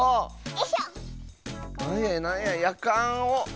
なんやなんややかんを。